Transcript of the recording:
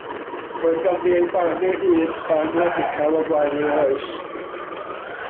Roedd ganddi ei barn ei hun, barn radical o flaen ei hoes.